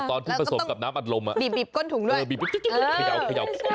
ตอนที่ผสมกับน้ำอัดลมอ่ะบีบบีบก้นถุงด้วยเออบีบบีบขย่าวขย่าว